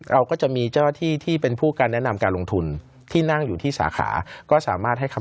เราก็จะมีเจ้าหน้าที่ที่เป็นผู้การแนะนำการลงทุนที่นั่งอยู่ที่สาขาก็สามารถให้คำ